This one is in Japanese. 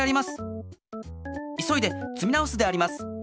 いそいでつみ直すであります。